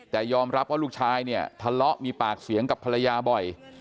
แต่ยอมรับว่าลูกชายเนี่ยทะเลาะมีปากเสียงกับภรรยาบ่อย